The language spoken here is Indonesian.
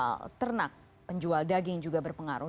dan juga penjual ternak penjual daging juga berpengaruh